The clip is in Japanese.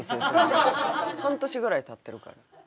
半年ぐらい経ってるから。